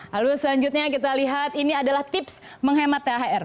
lalu selanjutnya kita lihat ini adalah tips menghemat thr